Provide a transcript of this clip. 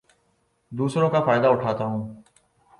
دوسروں کا فائدہ اٹھاتا ہوں